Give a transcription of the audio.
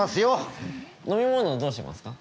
飲み物どうしますか？